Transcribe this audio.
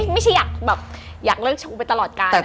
ไม่ใช่อยากเลิกชูไปตลอดการ